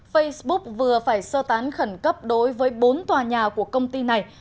facebook vừa phải sơ tán khẩn cấp đối với bốn tòa nhà của công ty này